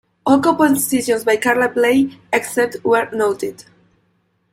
All compositions by Carla Bley except where noted.